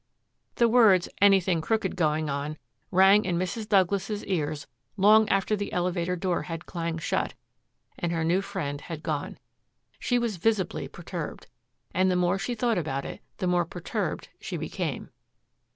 The words, "anything crooked going on," rang in Mrs. Douglas's ears long after the elevator door had clanged shut and her new friend had gone. She was visibly perturbed. And the more she thought about it the more perturbed she became.